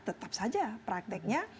tetap saja prakteknya